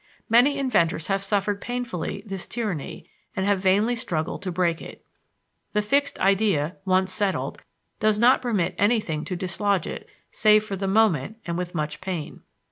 Many inventors have suffered painfully this tyranny and have vainly struggled to break it. The fixed idea, once settled, does not permit anything to dislodge it save for the moment and with much pain.